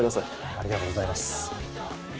ありがとうございます。